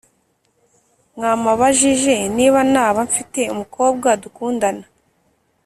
mwamabajije niba naba mfite umukobwa dukundana